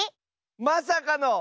まさかの。